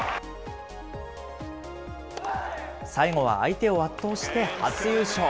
最後は相手を圧倒して初優勝。